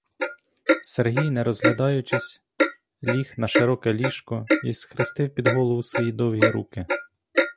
Сергій не роздягаючись ліг на широке ліжко й схрестив під голову свої довгі руки.